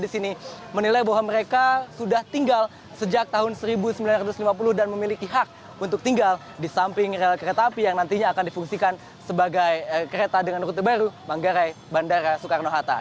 dan menilai bahwa mereka sudah tinggal sejak tahun seribu sembilan ratus lima puluh dan memiliki hak untuk tinggal di samping real kereta api yang nantinya akan difungsikan sebagai kereta dengan rute baru manggarai bandara soekarno hatta